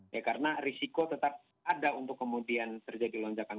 ya karena risiko tetap ada untuk kemudian terjadi lonjakan